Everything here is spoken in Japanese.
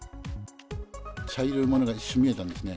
茶色いものが一瞬見えたんですね。